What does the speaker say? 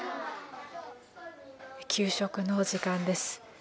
給食の時間です。